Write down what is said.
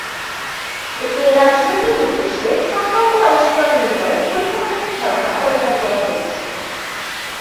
এতে রাজনৈতিক উদ্দেশ্যে সম্ভাব্য আয়ুষ্কাল নির্ণয়ে পরিসংখ্যানের ধারণা ব্যবহার করা হয়েছে।